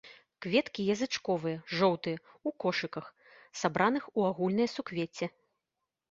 Кветкі язычковыя, жоўтыя, у кошыках, сабраных у агульнае суквецце.